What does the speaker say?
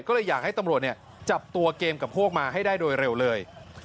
ก็เลยอยากให้ตำรวจจับตัวเกมกับพวกมาให้ได้โดยเร็วเลย